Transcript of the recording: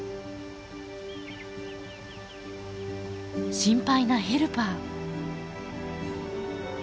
心配なヘルパー。